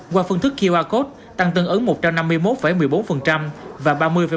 qua phương thức qr code tăng tương ứng một trăm năm mươi một một mươi bốn và ba mươi bốn mươi một